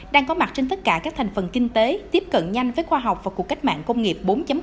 đang có mặt trên tất cả các thành phần kinh tế tiếp cận nhanh với khoa học và cuộc cách mạng công nghiệp bốn